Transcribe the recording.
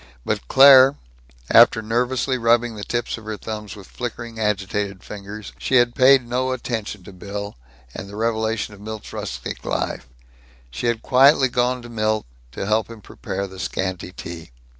But Claire After nervously rubbing the tips of her thumbs with flickering agitated fingers, she had paid no attention to Bill and the revelation of Milt's rustic life; she had quietly gone to Milt, to help him prepare the scanty tea.